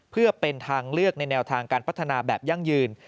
เพื่อเป็นทางเลือกในแนวทางการพัฒนาแบบยั่งยืน